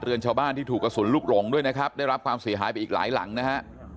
ชาวบ้านที่ถูกกระสุนลูกหลงด้วยนะครับได้รับความเสียหายไปอีกหลายหลังนะฮะ